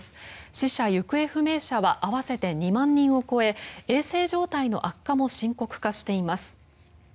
死者・行方不明者は合わせて２万人を超え衛生状態の悪化も深刻化しています。